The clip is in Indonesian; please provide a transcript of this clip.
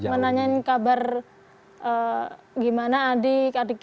menanyain kabar gimana adik adiknya